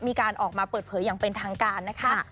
มีการออกมาเปิดเผยอย่างเป็นทางการนะคะ